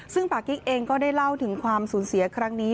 ซึ่งปากกิ๊กเองก็ได้เล่าถึงความสูญเสียครั้งนี้